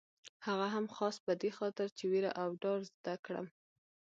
هغه هم خاص په دې خاطر چې وېره او ډار زده کړم.